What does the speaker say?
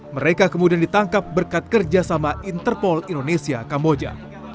mereka kemudian ditangkap berkat kerjasama interpol indonesia kamboja